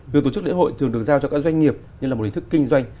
việc tổ chức lễ hội thường được giao cho các doanh nghiệp như là một hình thức kinh doanh